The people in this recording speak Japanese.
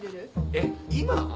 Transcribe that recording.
・えっ今！？